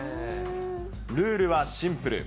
ルールはシンプル。